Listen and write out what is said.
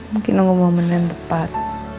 mungkin aku mau menentepat